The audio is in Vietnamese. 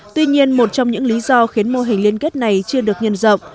tuy nhiên một trong những lý do khiến mô hình liên kết này chưa được nhân rộng